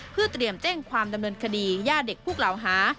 เพื่อเตรียมแจ้งความดำเนินคดีย่าเด็กผู้กล่าวหา